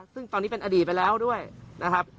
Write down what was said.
ซึ่งตอนนี้เป็นอดีตไปแล้วด้วยนะครับ